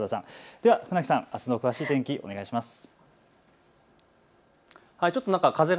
では船木さん、あすの詳しい天気、お願いします。